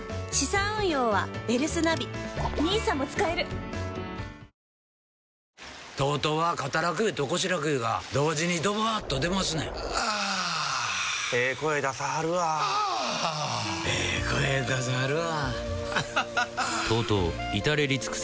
ニトリＴＯＴＯは肩楽湯と腰楽湯が同時にドバーッと出ますねんあええ声出さはるわあええ声出さはるわ